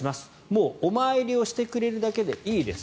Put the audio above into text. もうお参りをしてくれるだけでいいです。